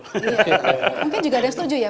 mungkin juga ada yang setuju ya